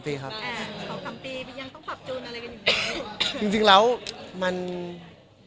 ไม่มีวัดมีแหละผู้บัตร